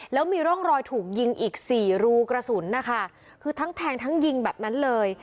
แล้วมีร่องรอยถูกยิงอีกสี่รูกระสุนนะคะคือทั้งแทงทั้งยิงแบบนั้นเลย